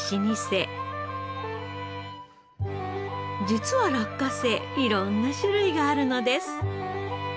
実は落花生色んな種類があるのです。